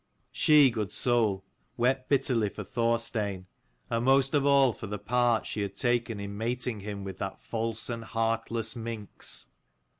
She, good soul, wept [bitterly for Thorstein, and most of all for the part she had taken in mating him with that false and heartless minx.